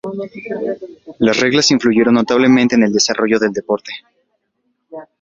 Las reglas influyeron notablemente en el desarrollo del deporte.